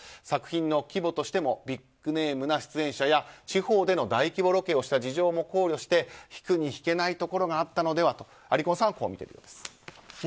作品の規模としてもビッグネームな出演者や地方での大規模ロケをした事情も考慮して引くに引けないところがあったのではとありこんさんはこう見ているそうです。